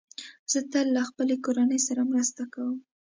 زه تل له خپلې کورنۍ سره مرسته کوم.